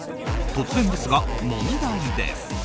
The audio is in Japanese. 突然ですが、問題です。